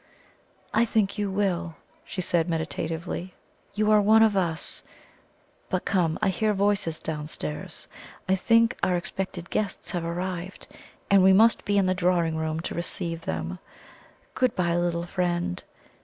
"I think you will," she said meditatively; "you are one of us. But come! I hear voices downstairs. I think our expected guests have arrived, and we must be in the drawing room to receive them. Good bye, little friend!"